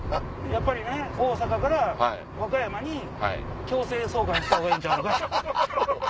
やっぱりね大阪から和歌山に強制送還したほうがええんちゃうのか？と。